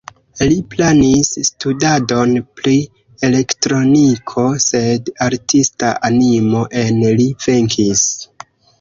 Li planis studadon pri elektroniko, sed artista animo en li venkis.